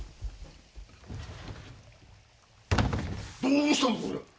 どうしたんだこれは！？